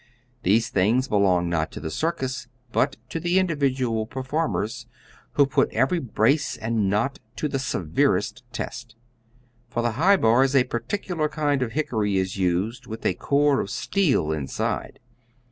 These things belong not to the circus, but to the individual performers, who put every brace and knot to the severest test. For the high bars a particular kind of hickory is used with a core of steel inside.